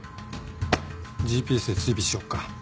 ＧＰＳで追尾しよっか。